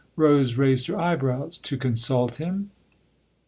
Rose raised her eyebrows. "To consult him